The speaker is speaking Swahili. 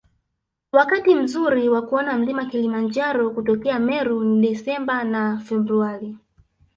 Wakati mzuri wa kuona mlima Kilimanjaro kutokea Meru ni Desemba na Februari